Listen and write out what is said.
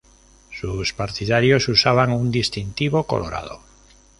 Sus partidarios usaban un distintivo colorado.